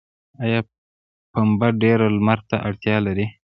آیا پنبه ډیر لمر ته اړتیا لري؟